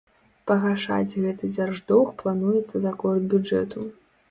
Пагашаць гэты дзярждоўг плануецца за кошт бюджэту.